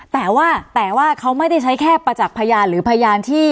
แต่ว่าแต่ว่าเขาไม่ได้ใช้แค่ประจักษ์พยานหรือพยานที่